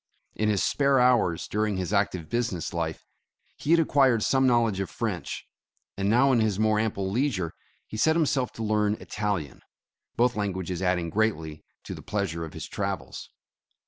In his spare hours during his active business life, he had ac quired some knowledge of French, and now in his more ample leisure, he set himself to learn Italian, both languages adding greatly to the pleasure of his travels.